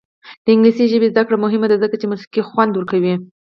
د انګلیسي ژبې زده کړه مهمه ده ځکه چې موسیقي خوند ورکوي.